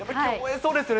そうですよね。